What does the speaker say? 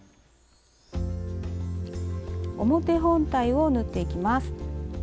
表本体を縫っていきます。